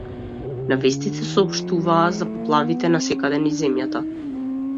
На вестите соопштуваа за поплавите насекаде низ земјата.